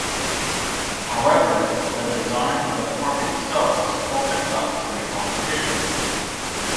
However the design for the park itself was opened up to a competition.